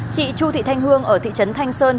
chị chu thị thanh hương ở thị trấn thanh sơn